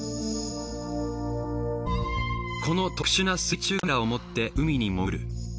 この特殊な水中カメラを持って海に潜る。